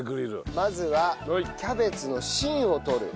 まずはキャベツの芯を取る。